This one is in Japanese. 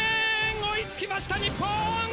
追い付きました日本！